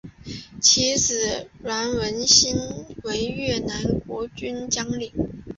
其子阮文馨为越南国军将领。